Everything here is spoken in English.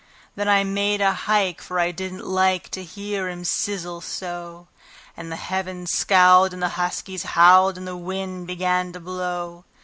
Then I made a hike, for I didn't like to hear him sizzle so; And the heavens scowled, and the huskies howled, and the wind began to blow.